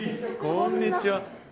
こんにちは。